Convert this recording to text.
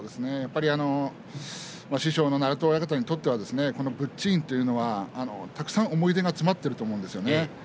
師匠の鳴戸親方にとって仏地院というのはたくさんの思い出が詰まっていると思うんですよね。